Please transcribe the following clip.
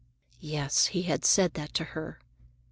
Yes, he said that to her.